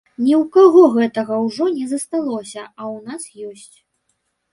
Ні ў каго гэтага ўжо не засталося, а ў нас ёсць.